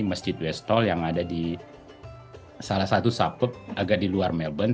masjid westall yang ada di salah satu subpek agak di luar melbourne